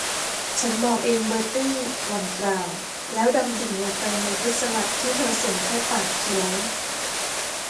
ฉันบอกเองเบอร์ตี้ หล่อนกล่าว แล้วดำดิ่งลงไปในฟรุ้ตสลัดที่เธอส่งเข้าปากเคี้ยว